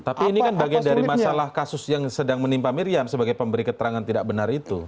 tapi ini kan bagian dari masalah kasus yang sedang menimpa miriam sebagai pemberi keterangan tidak benar itu